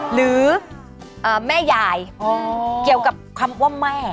หรือแม่ยายเกี่ยวกับคำว่าแม่